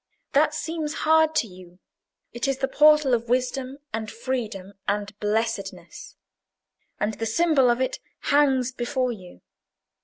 That seems hard to you. It is the portal of wisdom, and freedom, and blessedness. And the symbol of it hangs before you.